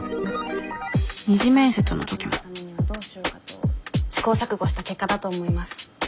二次面接の時も試行錯誤した結果だと思います。